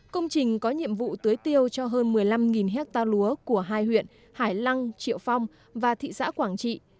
công trình có nhiệm vụ tưới tiêu cho hơn một mươi năm hectare lúa của hai huyện hải lăng triệu phong và thị xã quảng trị